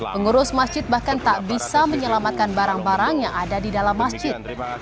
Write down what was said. pengurus masjid bahkan tak bisa menyelamatkan barang barang yang ada di dalam masjid